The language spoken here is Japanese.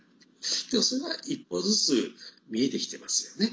でも、それは一歩ずつ見えてきてますよね。